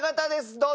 どうぞ！